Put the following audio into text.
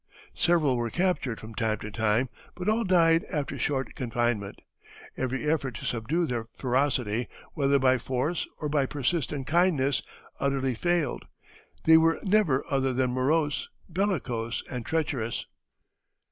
Several were captured from time to time, but all died after short confinement. Every effort to subdue their ferocity, whether by force or by persistent kindness, utterly failed; they were never other than morose, bellicose, and treacherous.